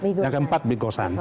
bikosan yang keempat bikosan